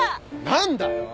何だよ！